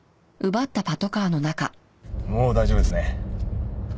もう大丈夫ですね。